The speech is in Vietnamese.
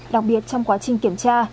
đặc biệt trong quá trình kiểm tra